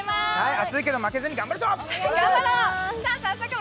暑いけど負けずに頑張るぞ！